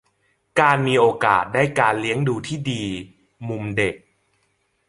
- การมีโอกาสได้การเลี้ยงดูที่ดี มุมเด็ก